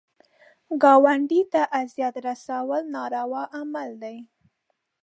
ګاونډي ته اذیت رسول ناروا عمل دی